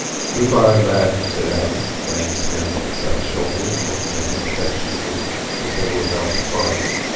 "Good bye, lad," said Adam, laying his hand on Seth's shoulder and looking at him affectionately as they were about to part.